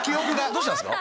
どうしたんですか？